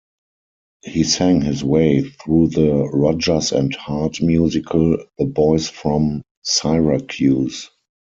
He sang his way through the Rodgers and Hart musical "The Boys from Syracuse".